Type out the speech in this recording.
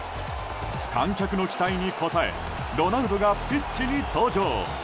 観客の期待に応えロナウドがピッチに登場。